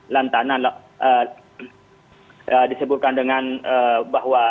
lantanan disebutkan dengan bahwa